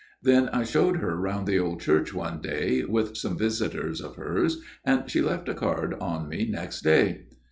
Then I showed her round the old church one day with some visitors of hers, and she left a card on me next day.